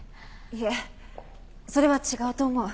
いえそれは違うと思う。